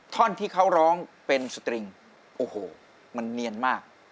ท่อนที่เขาร้องเป็นสตริงโอ้โหมันเนียนมาก